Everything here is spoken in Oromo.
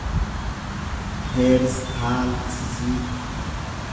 peeristaalsisii